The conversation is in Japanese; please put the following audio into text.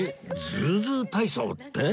ズーズー体操って？